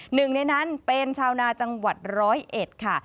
หนึ่งในนั้นเป็นชาวนาจังหวัดร้อยเอ็ดค่ะ